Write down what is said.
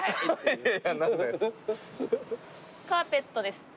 カーペットですって。